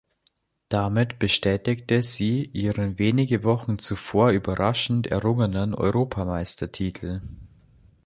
Damit bestätigte sie ihren wenige Wochen zuvor überraschend errungenen Europameistertitel.